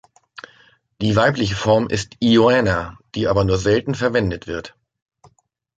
Die weibliche Form ist "Ioana", die aber nur selten verwendet wird.